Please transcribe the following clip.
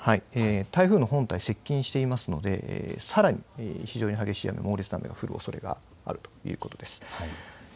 台風の本体は接近しているのでさらに非常に激しい雨、猛烈な雨が降るおそれがあるということです。